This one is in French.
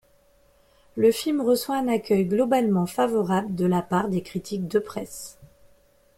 Le film reçoit un accueil globalement favorable de la part des critiques de presse.